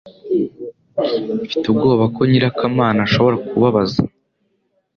Mfite ubwoba ko nyirakamana ashobora kubabaza